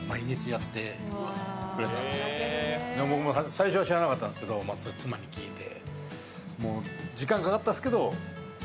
最初は知らなかったんですけど妻に聞いて。